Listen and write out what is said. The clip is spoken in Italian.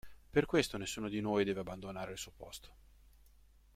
Per questo nessuno di noi deve abbandonare il suo posto.